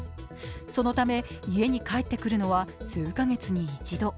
そのため家に帰ってくるのは数カ月に一度。